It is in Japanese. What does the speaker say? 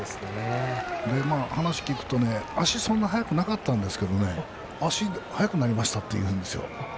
話を聞くと足はそんなに速くなかったんですが足、速くなりましたっていうんですよ。